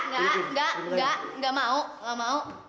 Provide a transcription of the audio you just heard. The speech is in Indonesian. gak gak gak gak mau gak mau